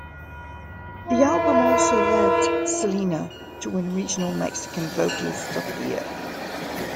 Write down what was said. The album also led Selena to win Regional Mexican Vocalist of the Year.